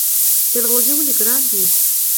جلغوزي ولې ګران دي؟